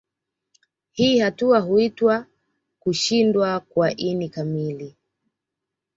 Hii hatua huitwa kushindwa kwa ini kamili